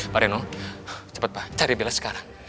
pak reno cepet pak cari bella sekarang